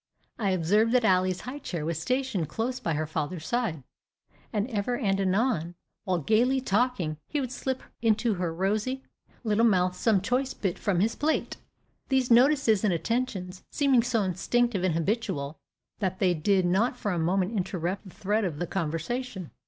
I observed that Ally's high chair was stationed close by her father's side; and ever and anon, while gayly talking, he would slip into her rosy little mouth some choice bit from his plate, these notices and attentions seeming so instinctive and habitual, that they did not for a moment interrupt the thread of the conversation.